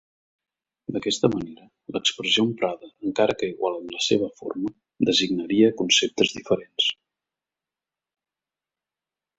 D'aquesta manera, l'expressió emprada, encara que igual en la seva forma, designaria conceptes diferents.